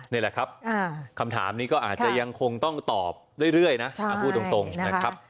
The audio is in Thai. นี่แหละครับคำถามนี้ก็อาจจะยังคงต้องตอบเรื่อยนะพูดตรงนะครับ